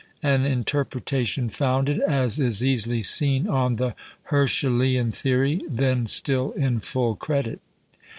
" An interpretation founded, as is easily seen, on the Herschelian theory, then still in full credit.